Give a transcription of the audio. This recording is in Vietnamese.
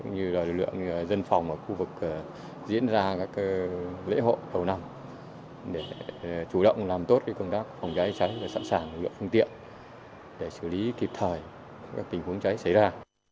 như lực lượng dân phòng ở khu vực diễn ra các lễ hội đầu năm để chủ động làm tốt công tác phòng cháy cháy và sẵn sàng lực lượng phương tiện để xử lý kịp thời các tình huống cháy xảy ra